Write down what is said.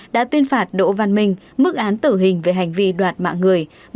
đã tuyên phạt đỗ văn minh mức án tử hình về hành vi đoạt mạng người